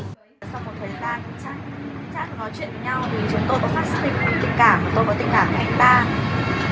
sau một thời gian chắc chắn nói chuyện với nhau thì chúng tôi có phát sự tình cảm tôi có tình cảm với anh ta